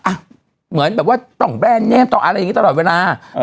อ่ะเหมือนแบบว่าต้องแบรนด์เนมต้องอะไรอย่างนี้ตลอดเวลา